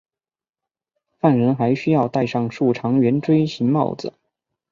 犯人还需要戴上竖长圆锥形帽子。